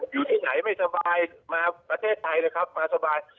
อยู่ที่ไหนไม่สบายมาประเทศไทยเลยครับมาสบาย